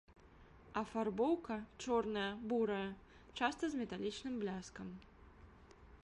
Афарбоўка, чорная, бурая, часта з металічным бляскам.